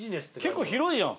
結構広いじゃん。